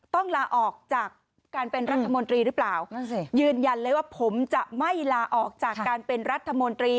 ต้องลาออกจากการเป็นรัฐมนตรีหรือเปล่านั่นสิยืนยันเลยว่าผมจะไม่ลาออกจากการเป็นรัฐมนตรี